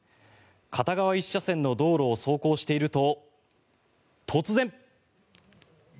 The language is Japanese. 片側１車線の道路を走行していると、突然。